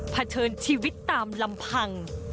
เชิดชีวิตตามลำพัง